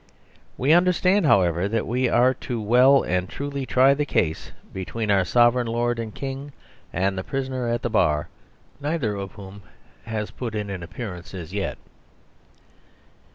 We understand, however, that we are to well and truly try the case between our sovereign lord the King and the prisoner at the bar, neither of whom has put in an appearance as yet.